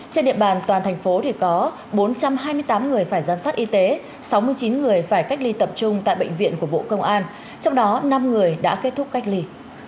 trên địa bàn toàn thành phố có bốn trăm hai mươi tám người phải giám sát y tế sáu mươi chín người phải cách ly tập trung tại bệnh viện của bộ công an trong đó năm người đã kết thúc cách ly